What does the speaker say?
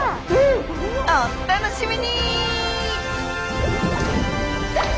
お楽しみに！